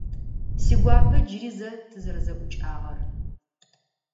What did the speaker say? Сигуапэ джыри зэ тызэрэзэӏукӏагъэр?